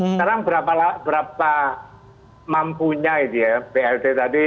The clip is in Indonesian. sekarang berapa mampunya blt tadi